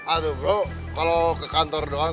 aduh bu kalau ke kantor doang